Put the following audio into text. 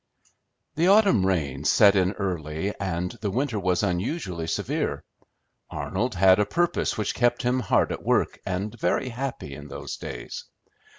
The autumn rains set in early, and the winter was unusually severe. Arnold had a purpose which kept him hard at work and very happy in those days.